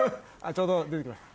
ちょうど出て来ました。